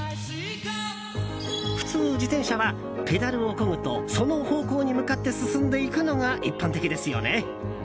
普通、自転車はペダルをこぐとその方向に向かって進んでいくのが一般的ですよね。